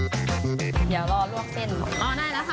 โอเคได้ไหมคะใช่ได้เลยค่ะ